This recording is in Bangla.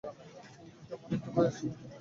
কিন্তু কেমন একটা ভয় আসছে মনে।